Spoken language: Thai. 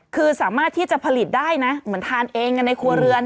คือสามารถที่จะผลิตได้นะเหมือนทานเองกันในครัวเรือน